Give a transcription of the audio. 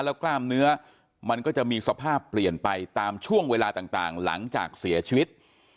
แล้วกล้ามเนื้อมันก็จะมีสภาพเปลี่ยนไปตามช่วงเวลาต่างหลังจากเสียชีวิต